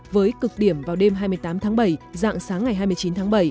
với cực điểm vào đêm hai mươi tám tháng bảy dạng sáng ngày hai mươi chín tháng bảy